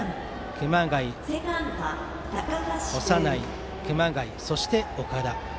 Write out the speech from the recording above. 熊谷、長内、熊谷、そして岡田。